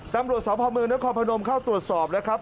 ตำรวจสพเมืองนครพนมเข้าตรวจสอบนะครับ